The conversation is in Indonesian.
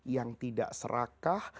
yang tidak serakah